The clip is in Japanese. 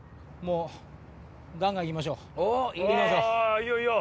いいよいいよ！